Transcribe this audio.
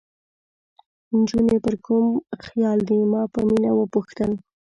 نجونې پر کوم خیال دي؟ ما په مینه وپوښتل.